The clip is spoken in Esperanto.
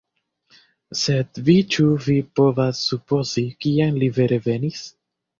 Sed ĉu vi povas supozi kiam li vere venis?